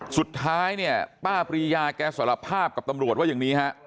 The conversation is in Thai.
สุดท้ายเนี่ยป้าปรียาแกสารภาพกับตำรวจว่าอย่างนี้ฮะ